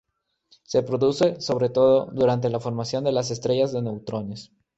Se produce, sobre todo, durante la formación de las estrellas de neutrones.